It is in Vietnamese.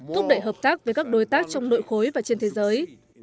thúc đẩy hợp tác với các đối tác trong nội khối và trên thế giới